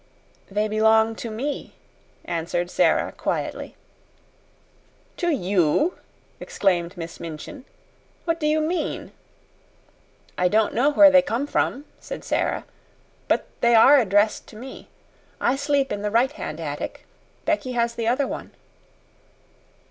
"They belong to me," answered Sara, quietly. "To you?" exclaimed Miss Minchin. "What do you mean?" "I don't know where they come from," said Sara, "but they are addressed to me. I sleep in the right hand attic. Becky has the other one."